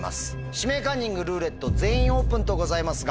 「指名カンニング」「ルーレット」「全員オープン」とございますが。